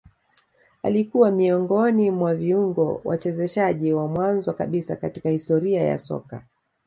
Alikua miongoni mwa viungo wachezeshaji wa mwanzo kabisa katika historia ya soka